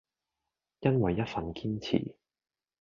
因為一份堅持